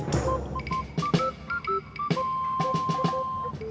yang jadi masalah sekarang adalah